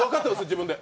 自分で。